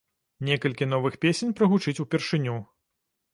Некалькі новых песень прагучыць упершыню.